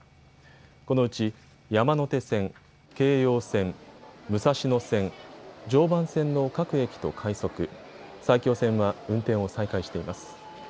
このうち、山手線、京葉線、武蔵野線、常磐線の各駅と快速、埼京線は運転を再開しています。